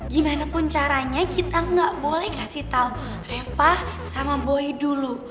gimanapun caranya kita gak boleh kasih tau reva sama boy dulu